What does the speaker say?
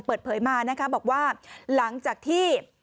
เปิดเผยมานะคะบอกว่าหลังจากที่